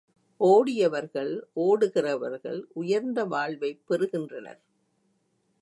ஒடியவர்கள், ஓடுகிறவர்கள் உயர்ந்த வாழ்வைப் பெறுகின்றனர்.